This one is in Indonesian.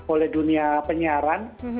oleh dunia penyiaran